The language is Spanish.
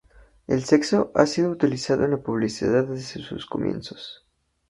El sexo ha sido utilizado en la publicidad desde sus comienzos.